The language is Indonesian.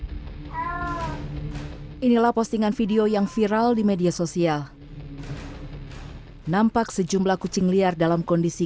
hai inilah postingan video yang viral di media sosial nampak sejumlah kucing liar dalam kondisi